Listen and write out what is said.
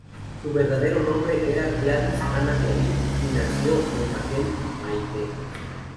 Su verdadero nombre era Gladys Anna Clare, y nació en Patten, Maine.